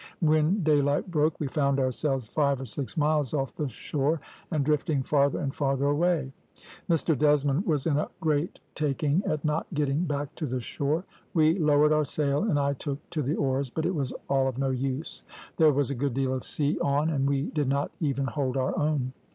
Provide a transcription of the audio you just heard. When daylight broke, we found ourselves five or six miles off the shore, and drifting farther and farther away. Mr Desmond was in a great taking at not getting back to the shore; we lowered our sail, and I took to the oars, but it was all of no use. There was a good deal of sea on, and we did not even hold our own.